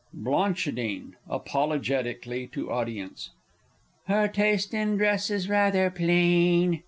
_ Bl. (apologetically to Audience). Her taste in dress is rather plain!